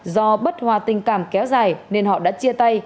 do bất hòa tình cảm kéo dài nên họ đã chia tay